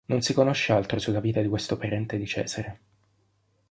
Non si conosce altro sulla vita di questo parente di Cesare.